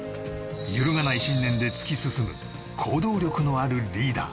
揺るがない信念で突き進む行動力のあるリーダー